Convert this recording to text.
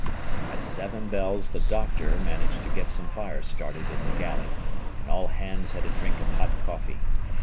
At seven bells the "doctor" managed to get some fire started in the galley, and all hands had a drink of hot coffee.